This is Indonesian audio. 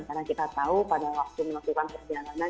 karena kita tahu pada waktu melakukan perjalanan